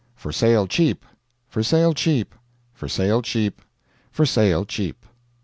FOR SALE CHEAP. FOR SALE CHEAP. FOR SALE CHEAP. FOR SALE CHEAP.